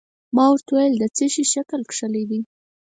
ما ورته وویل: د څه شي شکل کښلی دی؟